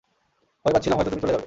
ভয় পাচ্ছিলাম হয়ত তুমি চলে যাবে।